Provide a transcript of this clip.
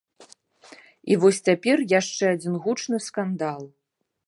І вось цяпер яшчэ адзін гучны скандал.